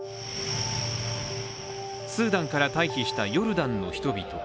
スーダンから退避したヨルダンの人々。